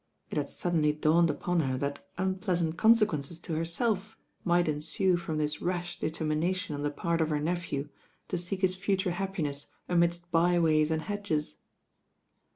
It had suddenly dawned upon her that unpleasant consequences to herself might ensue from this rash determination on the part of her nephew to seek his future happi ness amidst by ways and hedges.